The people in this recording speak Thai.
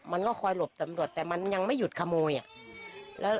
มันก็คอยหลบตำรวจแต่มันยังไม่หยุดขโมยอ่ะ